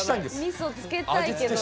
みそ付けたいけどなあ。